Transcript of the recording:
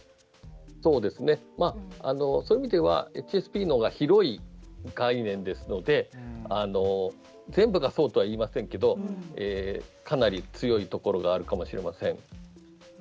そういう意味ではＨＳＰのほうが広い概念ですので全部がそうとは言いませんけどかなり強いところがあるかもしれません。